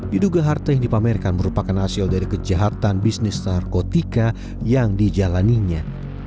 diduga harta yang dipamerkan merupakan hasil dari kejahatan bisnis narkotika yang dijalaninya